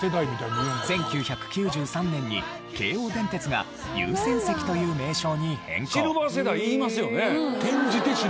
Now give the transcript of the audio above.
１９９３年に京王電鉄が「優先席」という名称に変更。